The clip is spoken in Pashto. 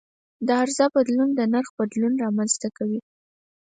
د عرضه بدلون د نرخ بدلون رامنځته کوي.